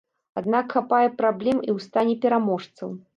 Аднак хапае праблем і ў стане пераможцаў.